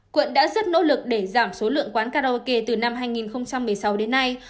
quận đã rất nỗ lực để giảm số lượng quán karaoke từ năm hai nghìn một mươi sáu đến nay